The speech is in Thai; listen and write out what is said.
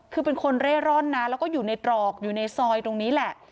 คือเป็นคนเร่ร่อนนะแล้วก็อยู่ในตรอกอยู่ในซอยตรงนี้แหละ